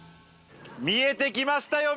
見えてきましたよ。